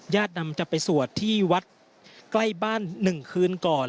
นำจะไปสวดที่วัดใกล้บ้าน๑คืนก่อน